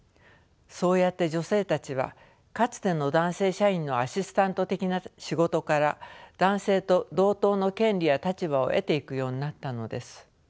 そうやって女性たちはかつての男性社員のアシスタント的な仕事から男性と同等の権利や立場を得ていくようになったのです。